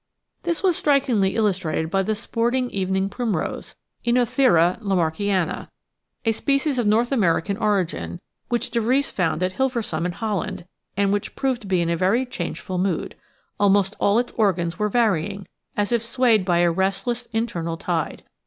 This was strikingly illustrated by the sporting Even ing Primrose {OEnothera lamarckiana) , a species of North Amer ican origin, which de Vries found at Hilversum in Holland, and which proved to be in a very changeful mood. Almost all its organs were varying, as if swayed by a restless internal tide.